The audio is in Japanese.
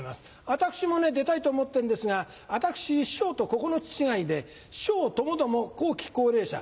私も出たいと思ってんですが私師匠と９つ違いで師匠ともども後期高齢者。